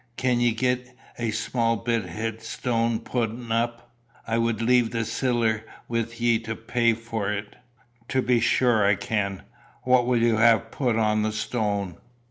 Could ye get a sma' bit heidstane putten up? I wad leave the siller wi' ye to pay for't." "To be sure I can. What will you have put on the stone?"